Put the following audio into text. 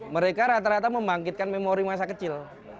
mereka rata rata membangkitkan memori masa kecil